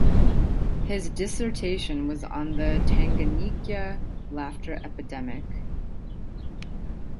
His dissertation was on the Tanganyika laughter epidemic.